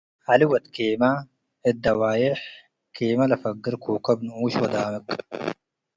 ዐሊ ወድ ኬመ፤ እት ደዋዩሕ ኬመ ለፈግር ኮከብ ንኡሽ ወዳምቅ ።